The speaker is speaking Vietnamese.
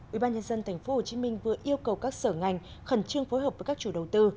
ubnd tp hcm vừa yêu cầu các sở ngành khẩn trương phối hợp với các chủ đầu tư